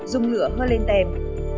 dùng lửa hơ lên tem